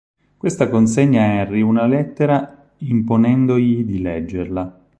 Questa consegna a Henry una lettera imponendogli di leggerla.